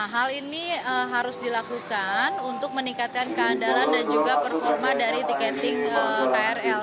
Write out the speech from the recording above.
hal ini harus dilakukan untuk meningkatkan keandalan dan juga performa dari tiketing krl